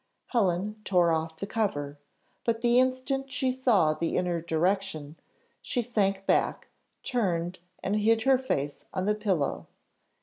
Helen tore off the cover, but the instant she saw the inner direction, she sank hack, turned, and hid her face on the pillow.